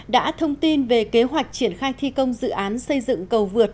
đã thông tin về kế hoạch triển khai thi công dự án xây dựng cầu vượt